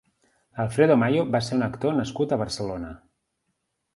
Alfredo Mayo va ser un actor nascut a Barcelona.